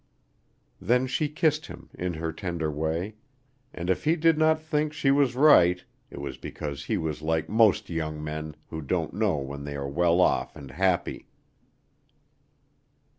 '" Then she kissed him, in her tender way, and if he did not think she was right, it was because he was like most young men who don't know when they are well off and happy.